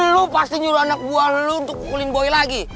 lo pasti nyuruh anak buah lo untuk pukulin boy lagi